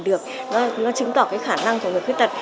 có thể làm được nó chứng tỏ cái khả năng của người khuyết tật